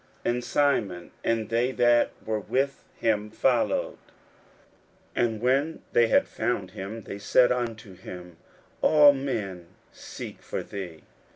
41:001:036 And Simon and they that were with him followed after him. 41:001:037 And when they had found him, they said unto him, All men seek for thee.